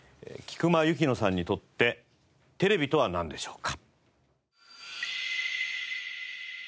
菊間千乃さんにとってテレビとはなんでしょうか？